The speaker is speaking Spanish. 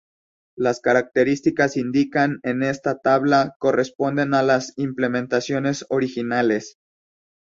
Las características indicadas en esta tabla corresponden a las implementaciones originales.